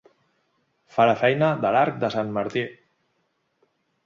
Fa la feina de l'arc de sant Martí.